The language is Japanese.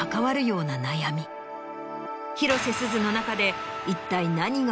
広瀬すずの中で。